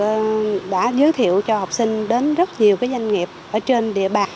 học sinh đã giới thiệu cho học sinh đến rất nhiều doanh nghiệp ở trên địa bàn